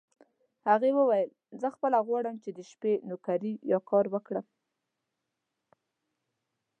هغې وویل: زه خپله غواړم چې د شپې نوکري یا کار وکړم.